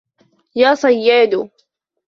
يَا صَيَّادُ